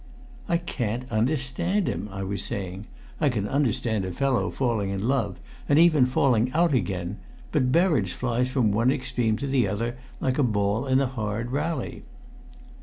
"I can't understand him," I was saying. "I can understand a fellow falling in love and even falling out again. But Berridge flies from one extreme to the other like a ball in a hard rally."